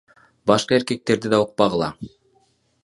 Башка эркектерди да укпагыла.